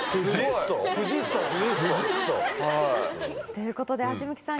ということで橋向さん